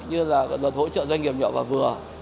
như là hỗ trợ doanh nghiệp nhỏ và vừa